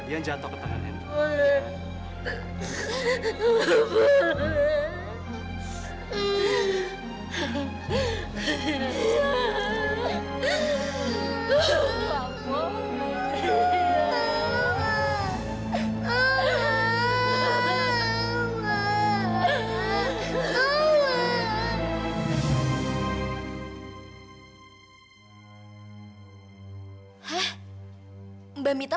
dian jatuh ke tangan hendra